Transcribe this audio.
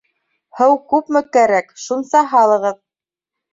Һыу күпме кәрәк, шунса һалығыҙ